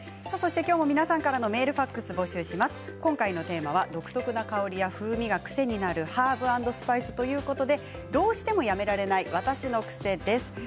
メール、ファックス今回のテーマは、独特な香りが風味が癖になるハーブ＆スパイスということでどうしてもやめられない私の癖です。